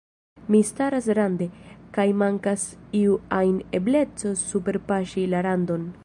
Mi staras rande, kaj mankas iu ajn ebleco superpaŝi la randon.